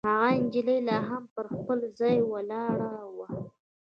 هغه نجلۍ لا هم پر خپل ځای ولاړه وه.